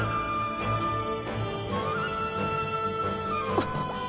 あっ！